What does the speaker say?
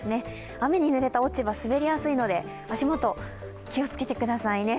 雨にぬれた落ち葉、滑りやすいので足もと、気をつけてくださいね。